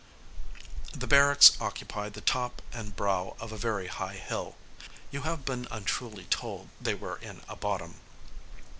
The barracks occupy the top and brow of a very high hill, (you have been untruly told they were in a bottom.)